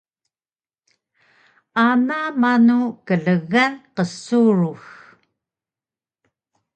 Ana manu klgan qsurux